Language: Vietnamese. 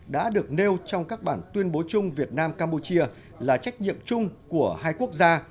đã được nêu trong các bản tuyên bố chung việt nam campuchia là trách nhiệm chung của hai quốc gia